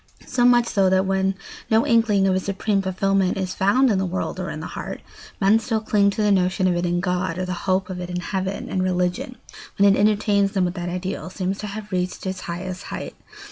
So much so that when no inkling of a supreme fulfilment is found in the world or in the heart, men still cling to the notion of it in God or the hope of it in heaven, and religion, when it entertains them with that ideal, seems to have reached its highest height.